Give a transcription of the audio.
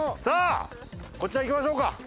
さあこちら行きましょうか。